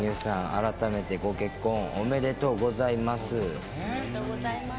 改めてご結おめでとうございます。